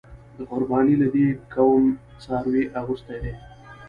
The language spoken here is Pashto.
قربانۍ له دې کوم څاروې اغستی دی؟